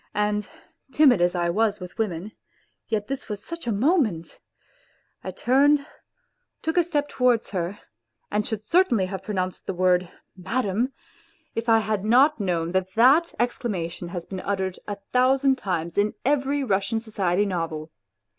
And timid as I was with women, yet this was such a moment !... I turned, took a step towards her, and should certainly have pronounced the word " Madam !" if I had not known that that exclamation has been uttered a thousand times in every Russian society novel.